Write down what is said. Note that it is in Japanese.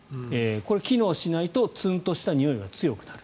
これ、機能しないとツンとしたにおいが強くなる。